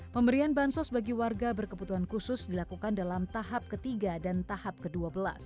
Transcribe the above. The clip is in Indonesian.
pemerian bansos bagi warga berkebutuhan khusus dilakukan dalam tahap ketiga dan tahap kedua belas